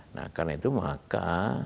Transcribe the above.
nah karena itu maka